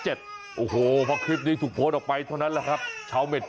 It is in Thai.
โอ้โหพอคลิปนี้ถูกโพสต์ออกไปเท่านั้นแหละครับชาวเน็ต